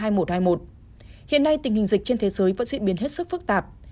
hiện nay tình hình dịch trên thế giới vẫn diễn biến hết sức phức tạp